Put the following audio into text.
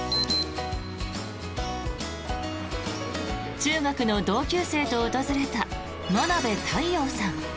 中学の同級生と訪れた真部太陽さん。